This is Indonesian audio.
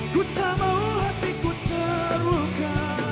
ku tak mau hatiku terluka